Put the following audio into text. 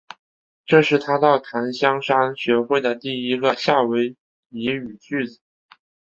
这是他到檀香山学会的第一个夏威夷语句子。